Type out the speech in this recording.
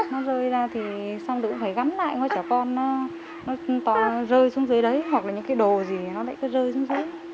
nó rơi ra thì xong rồi cũng phải gắn lại cho con nó rơi xuống dưới đấy hoặc là những cái đồ gì nó lại cứ rơi xuống dưới